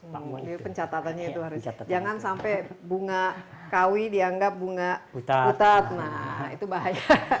jadi pencatatannya itu harus jangan sampai bunga kawi dianggap bunga putat nah itu bahaya